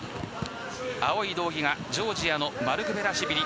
青い道着がジョージアのマルクベラシュビリ。